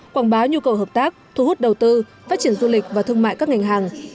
quảng bá nhu cầu hợp tác thu hút đầu tư phát triển du lịch và thương mại các ngành hàng